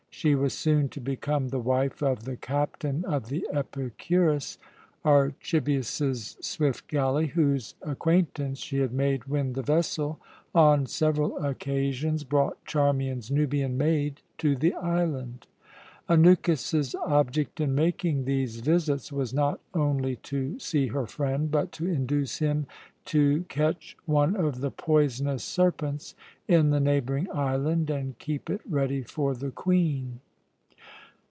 She was soon to become the wife of the captain of the Epicurus, Archibius's swift galley, whose acquaintance she had made when the vessel, on several occasions, brought Charmian's Nubian maid to the island. Anukis's object in making these visits was not only to see her friend, but to induce him to catch one of the poisonous serpents in the neighbouring island and keep it ready for the Queen.